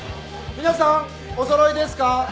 皆さんお揃いですか？